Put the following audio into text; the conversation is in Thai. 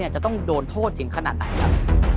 จะต้องโดนโทษถึงขนาดไหนครับ